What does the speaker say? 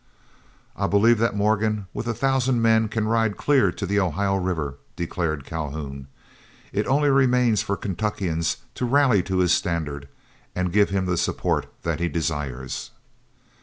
"I believe that Morgan with a thousand men can ride clear to the Ohio River," declared Calhoun. "It only remains for Kentuckians to rally to his standard, and give him the support that he desires."